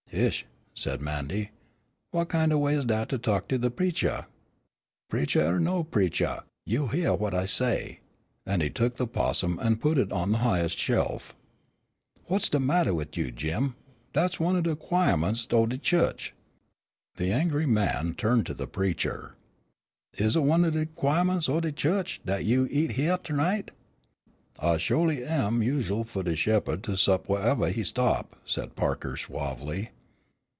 "Heish," said Mandy, "wha' kin' o' way is dat to talk to de preachah?" "Preachah er no preachah, you hyeah what I say," and he took the possum, and put it on the highest shelf. "Wha's de mattah wid you, Jim; dat's one o' de' 'quiahments o' de chu'ch." The angry man turned to the preacher. "Is it one o' de 'quiahments o' de chu'ch dat you eat hyeah ter night?" "Hit sholy am usual fu' de shepherd to sup wherevah he stop," said Parker suavely.